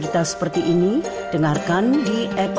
dan juga di dunia